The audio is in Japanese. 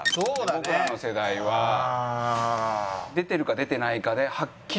僕らの世代は出てるか出てないかではっきりと。